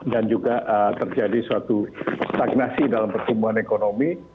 dan juga terjadi suatu stagnasi dalam pertumbuhan ekonomi